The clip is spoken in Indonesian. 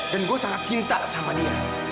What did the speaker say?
dan gue sangat cinta sama dia